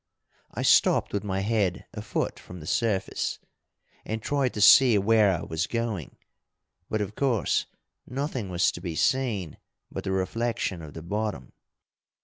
I stopped with my head a foot from the surface, and tried to see where I was going, but, of course, nothing was to be seen but the reflection of the bottom.